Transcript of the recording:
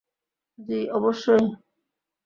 জ্বি, অবশ্যই!